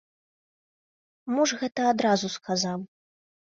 Муж гэта адразу сказаў.